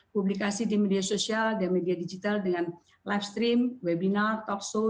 publikasi di media sosial dan media digital dengan live stream webinar talk show